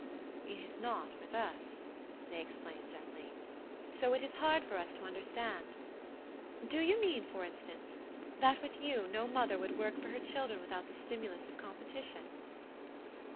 "It is not with us," they explained gently, "so it is hard for us to understand. Do you mean, for instance, that with you no mother would work for her children without the stimulus of competition?"